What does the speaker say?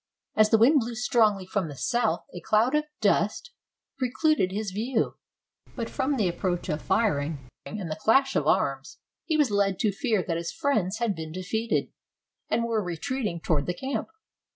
As the wind blew strongly from the south, a cloud of dust 155 RUSSIA precluded his view ; but from the approach of firing and the clash of arms, he was led to fear that his friends had been defeated, and were retreating toward the camp.